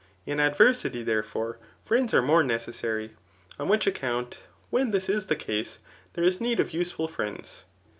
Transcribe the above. In adversity, therefore, friends are more neces sary ; on which account, when this is the case^ there is need of useful friends.